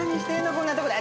こんなとこで。